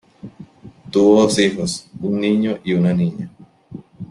Tuvo dos hijos, un niño y una niña.